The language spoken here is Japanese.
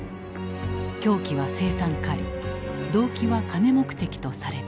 凶器は青酸カリ動機は金目的とされた。